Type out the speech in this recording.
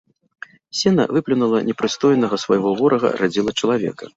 Сена выплюнула непрыстойнага свайго ворага, радзіла чалавека.